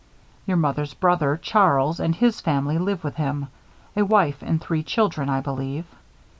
Your mother's brother Charles and his family live with him: a wife and three children, I believe.